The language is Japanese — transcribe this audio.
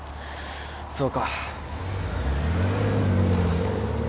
そうか。